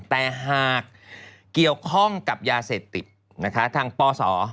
แต่หากเกี่ยวข้องกับยาเสพติดนะคะทางปศ